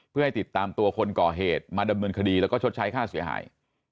เพื่อให้ติดตามตัวคนก่อเหตุมาดำเนินคดีแล้วก็ชดใช้ค่าเสียหาย